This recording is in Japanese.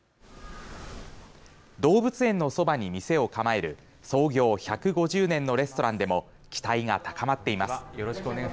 動物園のそばに店を構える創業１５０年のレストランでも期待が高まっています。